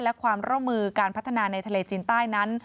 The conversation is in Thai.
และความร่วมมือการพัฒนาในทะเลจีนใต้นั้น